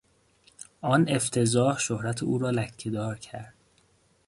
آن افتضاح شهرت او را لکهدار کرد.